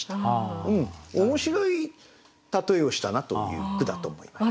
面白い例えをしたなという句だと思います。